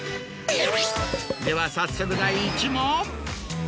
では早速第１問。